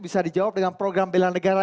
bisa dijawab dengan program bela negara